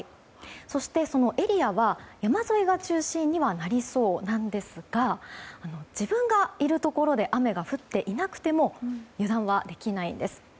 そして、そのエリアは山沿いが中心になりそうなんですが自分がいるところで雨が降っていなくても油断はできないんです。